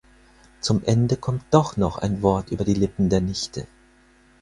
Zum Ende kommt doch noch ein Wort über die Lippen der Nichte.